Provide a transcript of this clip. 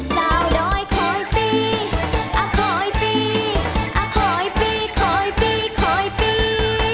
สาวดอยขอยปี้ขอยปี้ขอยปี้ขอยปี้